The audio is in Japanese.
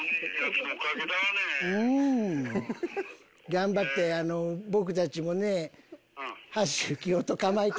頑張って僕たちもね。